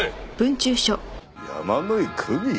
山井久美？